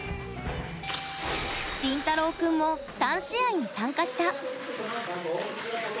リンタロウ君も３試合に参加した。